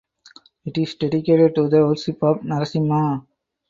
It is dedicated to the worship of Narasimha.